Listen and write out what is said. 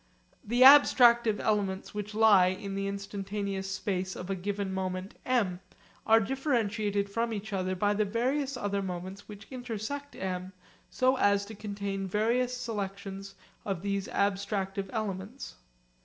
The abstractive elements which lie in the instantaneous space of a given moment M are differentiated from each other by the various other moments which intersect M so as to contain various selections of these abstractive elements.